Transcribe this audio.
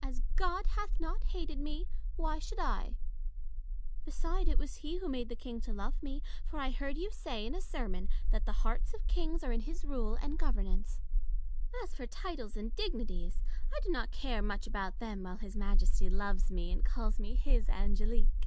As God hath not hated me, why should 1 1 Beside, it was he who made the King to love me ; for I heard you say in a sermon that the hearts of kings are in his rule and governance. As for titles and dignities, I do not care much about them while His Majesty loves me, and calls me his Ang^lique.